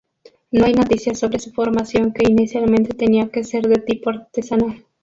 No hay noticias sobre su formación que inicialmente tenía que ser de tipo artesanal.